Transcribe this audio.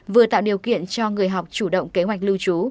vừa tạo điều kiện cho người học chủ động kế hoạch lưu trú